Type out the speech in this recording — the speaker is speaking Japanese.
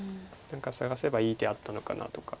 何か探せばいい手あったのかなとか。